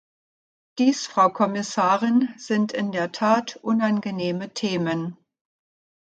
Dies, Frau Kommissarin, sind in der Tat unangenehme Themen.